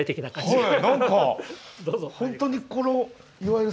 はい。